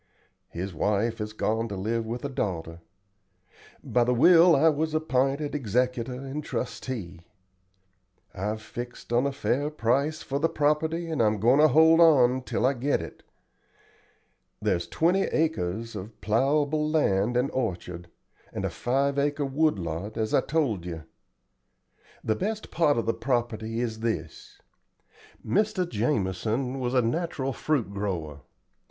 His wife has gone to live with a daughter. By the will I was app'inted executor and trustee. I've fixed on a fair price for the property, and I'm goin' to hold on till I get it. There's twenty acres of plowable land and orchard, and a five acre wood lot, as I told you. The best part of the property is this. Mr. Jamison was a natural fruit grower.